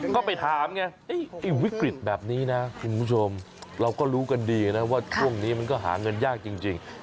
ก็ไปถามไงวิกฤตแบบนี้นะคุณผู้ชมเราก็รู้กันดีนะว่าช่วงนี้มันก็หาเงินยากจริง